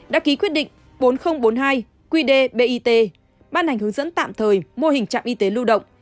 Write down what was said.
đã ký quyết định bốn nghìn bốn mươi hai qd bit ban hành hướng dẫn tạm thời mô hình trạm y tế lưu động